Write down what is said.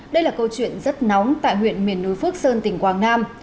đây là câu chuyện rất nóng tại huyện miền núi phước sơn tỉnh quảng nam